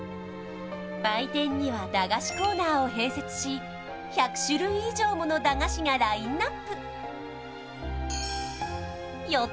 売店には駄菓子コーナーを併設し１００種類以上もの駄菓子がラインナップよっ